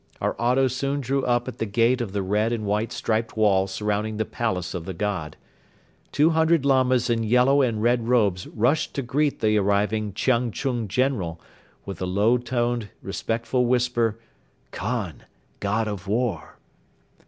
Our auto soon drew up at the gate of the red and white striped wall surrounding the palace of the god. Two hundred Lamas in yellow and red robes rushed to greet the arriving "Chiang Chun," General, with the low toned, respectful whisper "Khan! God of War!"